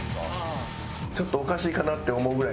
ちょっとおかしいかなって思うぐらい